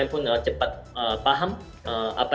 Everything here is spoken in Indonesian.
dan saya juga bisa memperbaiki kemahiran saya